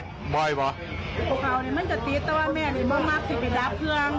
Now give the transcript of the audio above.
แต่ว่าไม่อาจจะมีมากสิ่งที่รับเครื่อง